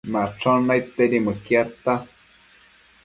Machon naidtedi mëquiadta